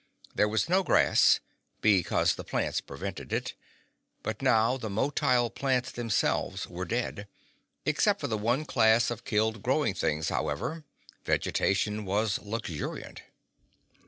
There was no grass, because the plants prevented it, but now the motile plants themselves were dead. Except for the one class of killed growing things, however, vegetation was luxuriant.